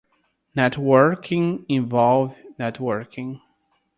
Networking envolve networking.